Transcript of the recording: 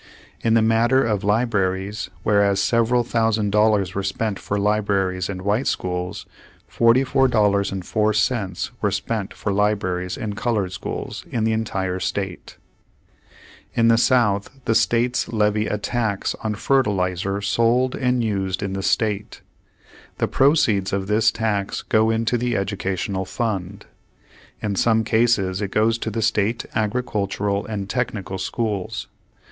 In the matter of libraries, whereas several thousand dollars were spent for libraries in white schools, $44.04 were spent for libraries in colored schools in the entire state. In the South, the states levy a tax on fertilizer sold and used in the state. The proceeds of this tax goes into the educational fund. In some cases it goes to the state agricultural and technical schools.